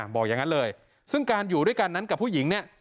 บอกอย่างนั้นเลยซึ่งการอยู่ด้วยกันนั้นกับผู้หญิงเนี่ย